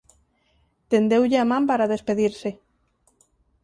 Tendeulle a man para despedirse.